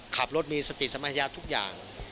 ขับรถมีสติสมาธิภาพทุกอย่าง